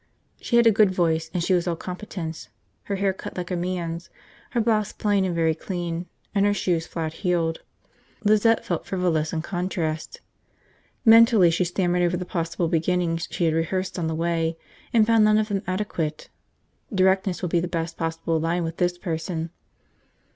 She had a good voice and she was all competence, her hair cut like a man's, her blouse plain and very clean, and her shoes flat heeled. Lizette felt frivolous in contrast. Mentally she stammered over the possible beginnings she had rehearsed on the way and found none of them adequate. Directness would be the best possible line with this person.